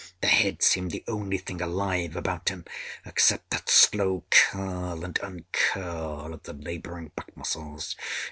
The head seemed the only thing alive about him, except that slow curl and uncurl of the laboring back muscles.